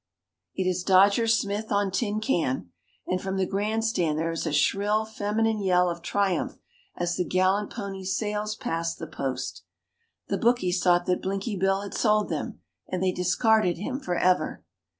It is Dodger Smith on Tin Can, and from the grandstand there is a shrill feminine yell of triumph as the gallant pony sails past the post. The bookies thought that Blinky Bill had sold them, and they discarded him for ever.